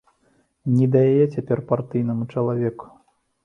Ні да яе цяпер партыйнаму чалавеку.